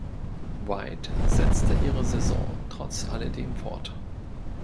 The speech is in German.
White setzte ihre Saison trotz alledem fort.